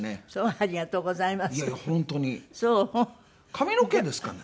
髪の毛ですかね？